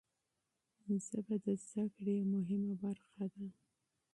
ژبه د زده کړې یوه مهمه برخه ده.